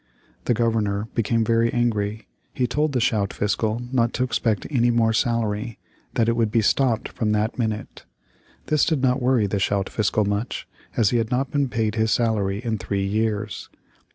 The Governor became very angry. He told the schout fiscal not to expect any more salary, that it would be stopped from that minute. This did not worry the schout fiscal much, as he had not been paid his salary in three years!